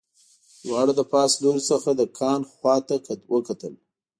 دواړو له پاس لوري څخه د کان خواته وکتل